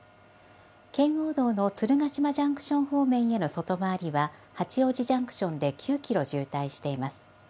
圏央道の鶴ヶ島ジャンクション方面への外回りは、八王子ジャンクションで９キロ渋滞しています。